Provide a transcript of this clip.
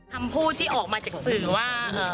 คำพูดที่ออกมาจากสื่อว่า